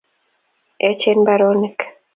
Echen mbaronik